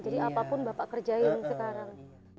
jadi apapun bapak kerjain sekarang